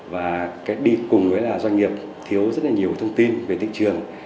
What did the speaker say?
và đi cùng với doanh nghiệp thiếu rất nhiều thông tin về thị trường